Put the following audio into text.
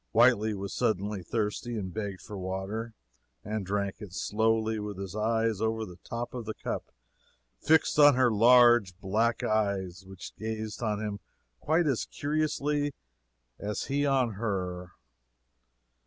Whitely was suddenly thirsty, and begged for water, and drank it slowly, with his eyes over the top of the cup, fixed on her large black eyes, which gazed on him quite as curiously as he on her.